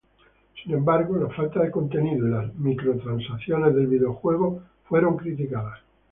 Sin embargo, la falta de contenido y las microtransacciones del videojuego fueron criticadas.